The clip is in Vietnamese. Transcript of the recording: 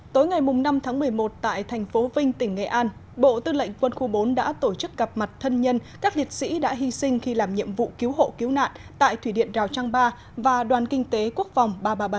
tối ngày năm tháng một mươi một tại thành phố vinh tỉnh nghệ an bộ tư lệnh quân khu bốn đã tổ chức gặp mặt thân nhân các liệt sĩ đã hy sinh khi làm nhiệm vụ cứu hộ cứu nạn tại thủy điện rào trang ba và đoàn kinh tế quốc phòng ba trăm ba mươi bảy